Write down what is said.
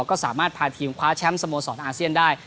ก็สามารถพาทีมคว้าแชมป์สโมสรอาเซียนได้